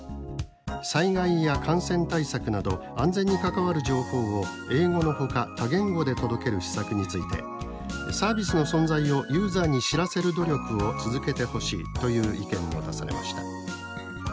災害や感染対策など安全に関わる情報を英語のほか多言語で届ける施策について「サービスの存在をユーザーに知らせる努力を続けてほしい」という意見も出されました。